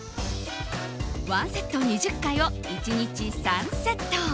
ワンセット２０回を１日３セット。